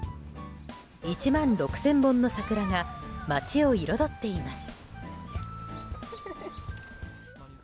１万６０００本の桜が町を彩っています。